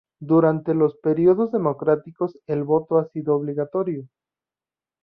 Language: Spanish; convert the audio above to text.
Durante los periodos democráticos, el voto ha sido obligatorio.